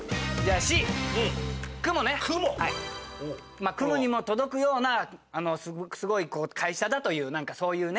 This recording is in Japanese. まあ雲にも届くようなあのすごい会社だというなんかそういうね